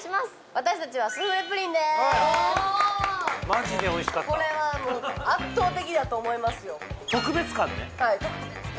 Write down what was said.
私達はスフレ・プリンでーすマジでおいしかったこれはもう圧倒的やと思いますよ特別感ねはい特別感